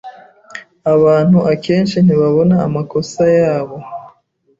Abantu akenshi ntibabona amakosa yabo.